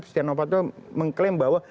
setiara fanto mengklaim bahwa